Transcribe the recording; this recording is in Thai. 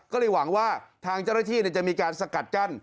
ก็เลยหวังว่าทางเจ้าหน้าที่จะมีการสกัดกั้น